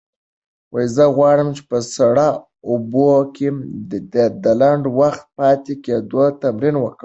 زه غواړم په سړو اوبو کې د لنډ وخت پاتې کېدو تمرین وکړم.